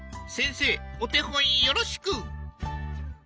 先生お手本よろしく！